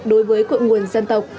đối với cội nguồn dân tộc